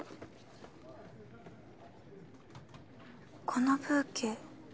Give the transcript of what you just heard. このブーケ。